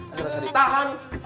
asal rasa ditahan